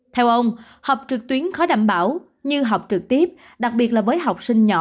theo ông học trực tuyến khó đảm bảo như học trực tiếp đặc biệt là với học sinh nhỏ